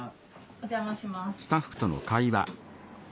お邪魔します。